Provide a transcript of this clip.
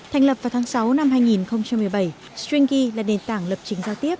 thành lập vào tháng sáu năm hai nghìn một mươi bảy stringy là nền tảng lập trình giao tiếp